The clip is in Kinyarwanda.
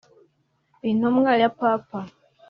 intumwa ya Papa